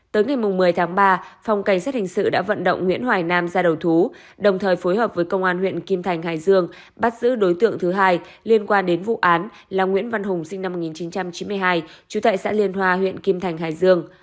tới ngày một mươi tháng ba phòng cảnh sát hình sự đã vận động nguyễn hoài nam ra đầu thú đồng thời phối hợp với công an huyện kim thành hải dương bắt giữ đối tượng thứ hai liên quan đến vụ án là nguyễn văn hùng sinh năm một nghìn chín trăm chín mươi hai trú tại xã liên hòa huyện kim thành hải dương